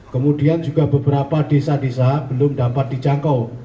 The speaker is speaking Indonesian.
kemudian juga beberapa desa desa belum dapat dijangkau